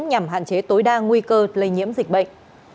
nhằm hạn chế tối đa nguy cơ lây nhiễm dịch bệnh